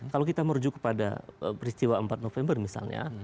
kalau kita merujuk kepada peristiwa empat november misalnya